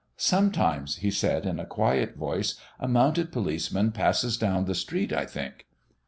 "Sometimes," he said in a quiet voice, "a mounted policeman passes down the street, I think."